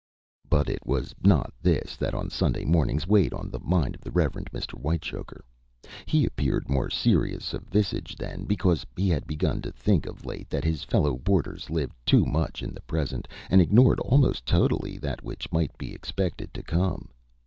But it was not this that on Sunday mornings weighed on the mind of the Reverend Mr. Whitechoker. He appeared more serious of visage then because he had begun to think of late that his fellow boarders lived too much in the present, and ignored almost totally that which might be expected to come.